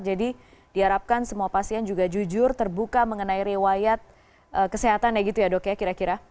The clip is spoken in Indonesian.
jadi diharapkan semua pasien juga jujur terbuka mengenai riwayat kesehatan ya gitu ya dok ya kira kira